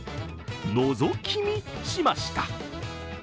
のぞき見しました。